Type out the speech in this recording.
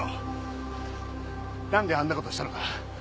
なんであんな事したのか。